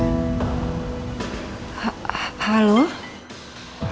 ini nomor teleponnya riki